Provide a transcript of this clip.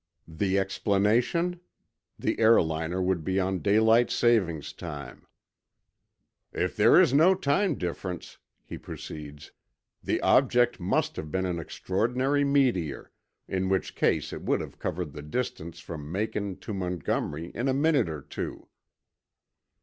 The explanation: The airliner would be on daylight saving time. "If there is no time difference," he proceeds, "the. object must have been an extraordinary meteor. ... in which case it would have covered the distance from Macon to Montgomery in a minute or two."